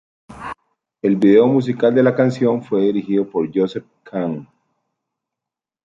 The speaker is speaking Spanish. El video musical de la canción fue dirigido por Joseph Kahn.